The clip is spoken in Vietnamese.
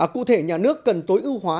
cụ thể nhà nước cần tối ưu hóa